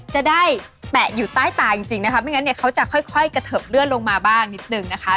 จะได้แปะอยู่ใต้ตาจริงนะคะไม่งั้นเนี่ยเขาจะค่อยกระเทิบเลื่อนลงมาบ้างนิดนึงนะคะ